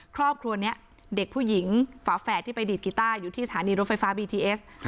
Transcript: ครอบครัวนี้เด็กผู้หญิงฝาแฝดที่ไปดีดกีต้าอยู่ที่สถานีรถไฟฟ้าบีทีเอส